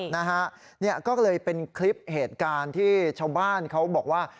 นะฮะเนี่ยก็เลยเป็นคลิปเหตุการณ์ที่ชาวบ้านเขาบอกว่า